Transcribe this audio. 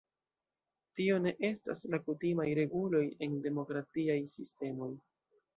Tio ne estas la kutimaj reguloj en demokratiaj sistemoj.